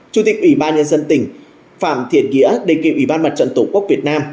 chủ tịch ủy ban nhân dân tỉnh phạm thiện nghĩa đề nghị ủy ban mặt trận tổ quốc việt nam